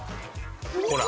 ほら。